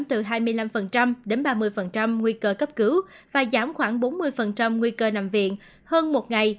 từ hai mươi năm đến ba mươi nguy cơ cấp cứu và giảm khoảng bốn mươi nguy cơ nằm viện hơn một ngày